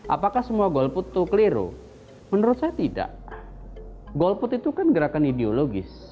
apakah semua golput itu keliru menurut saya tidak golput itu kan gerakan ideologis